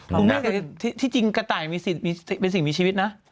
ทุกคนนี้ที่จริงกะไต้มีสิทธิ์เป็นสิ่งมีชีวิตนะ